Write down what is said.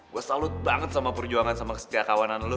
gue salut banget sama perjuangan sama kesetia kawanan lo